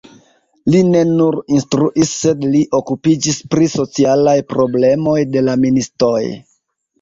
Li ne nur instruis, sed li okupiĝis pri socialaj problemoj de la ministoj.